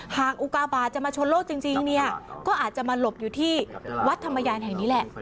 อุกาบาทจะมาชนโลกจริงเนี่ยก็อาจจะมาหลบอยู่ที่วัดธรรมยานแห่งนี้แหละ